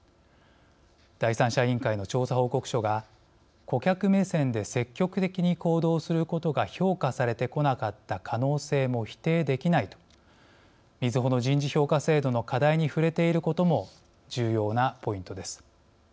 第三者委員会の調査報告書が顧客目線で積極的に行動することが評価されてこなかった可能性も否定できないとみずほの人事評価制度の課題に触れていることも重要なポイントです。